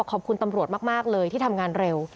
ขอบคุณตำรวจมากเลยที่ทำงานเร็ว